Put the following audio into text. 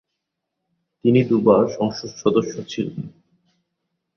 তিনি দু'বার সংসদ সদস্য ছিলেন।